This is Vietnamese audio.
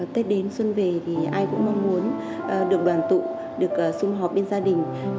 tết đến xuân về thì ai cũng mong muốn